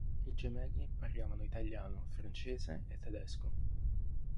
I gemelli parlavano italiano, francese e tedesco.